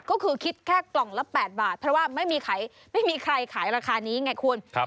ก็คือคิดแค่กล่องละ๘บาทเพราะว่าไม่มีใครขายราคานี้ไงคุณ